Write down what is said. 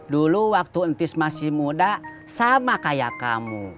dulu waktu entis masih muda sama kayak kamu